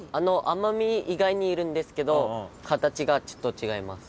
奄美以外にいるんですけど形がちょっと違います。